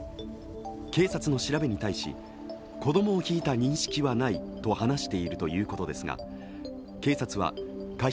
警察の調べに対し子供をひいた認識はないと話しているということですが警察は過失